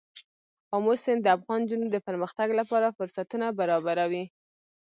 آمو سیند د افغان نجونو د پرمختګ لپاره فرصتونه برابروي.